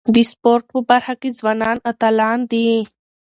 د سپورټ په برخه کي ځوانان اتلان دي.